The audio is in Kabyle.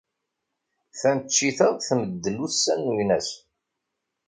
Taneččit-a tmeddel ussan n uynas.